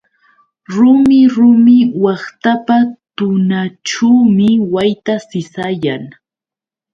Rumi rumi waqtapa tunaćhuumi wayta sisayan.